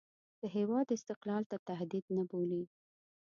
د هېواد استقلال ته تهدید نه بولي.